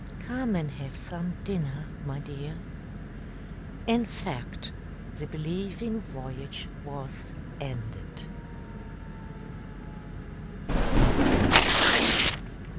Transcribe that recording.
Come and have some dinner, my dear!" In fact, the Believing Voyage was ended.